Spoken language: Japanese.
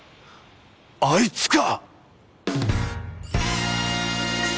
あいつか！